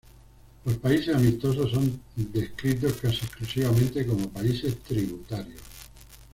Los países amistosos son descritos casi exclusivamente como países tributarios.